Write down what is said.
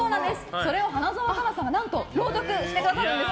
それを花澤香菜さんが、何と朗読してくださるんです。